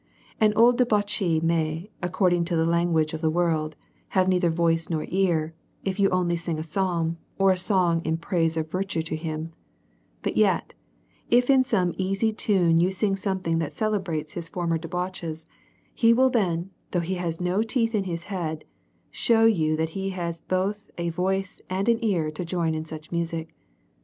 An old debaucliee may, according to the lanffuasre of the world, have neither voice nor car, if you only sing a psalm or a song ni praise ol virtue to him ; but yet if in some easy tune you sing something that celebrates his former debauches, he will then, though he has no teeth in his head, show you that he has both a voice and an ear to join in such music.